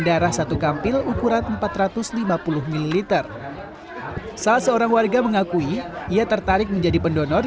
darah satu kampil ukuran empat ratus lima puluh ml salah seorang warga mengakui ia tertarik menjadi pendonor